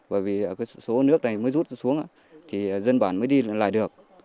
bởi vì số nước này mới rút xuống thì dân bản mới đi lại được